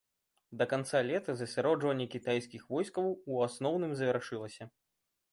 Да канца лета засяроджванне кітайскіх войскаў у асноўным завяршылася.